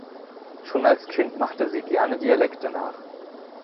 Schon als Kind machte sie gerne Dialekte nach.